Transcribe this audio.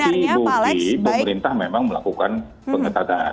dan ini bukti bukti pemerintah memang melakukan pengetahuan